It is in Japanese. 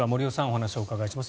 お話をお伺いします。